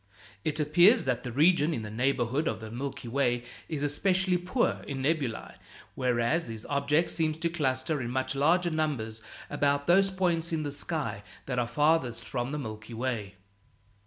It appears that the region in the neighborhood of the Milky Way is especially poor in nebulæ, whereas these objects seem to cluster in much larger numbers about those points in the sky that are farthest from the Milky Way.